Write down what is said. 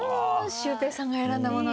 シュウペイさんが選んだものが。